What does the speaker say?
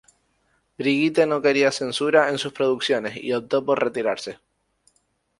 Brigitte no quería censura en sus producciones, y optó por retirarse.